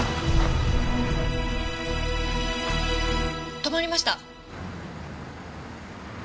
止まりました！